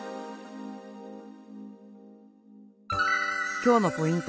今日のポイント